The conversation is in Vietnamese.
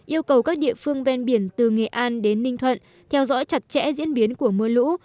yêu cầu các địa phương ven biển từ nghệ an đến ninh thuận theo dõi chặt chẽ diễn biến của mưa lũ